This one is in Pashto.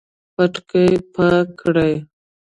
پټکی پاک کړئ